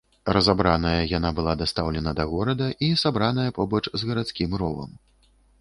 Разабраная яна была дастаўлена да горада і сабраная побач з гарадскім ровам.